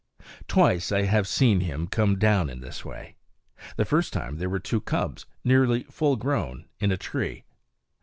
Twice have I seen him come down in this way. The first time there were two cubs, nearly full grown, in a tree.